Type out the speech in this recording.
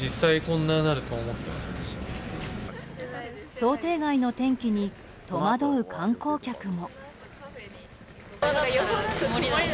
想定外の天気に戸惑う観光客も。